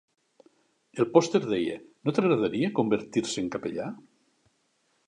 El pòster deia: No t"agradaria convertir-se en capellà?